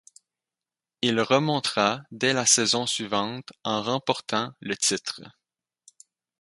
Il remontera dès la saison suivante en remportant le titre.